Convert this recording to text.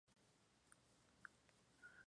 Testigo de la Comuna de París.